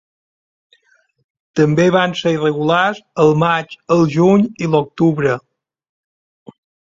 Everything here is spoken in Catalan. També van ser irregulars el maig, el juny i l’octubre.